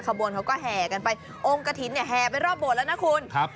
ขบวนเขาก็แห่กันไปองค์กระถิ่นเนี่ยแห่ไปรอบโบสถแล้วนะคุณครับ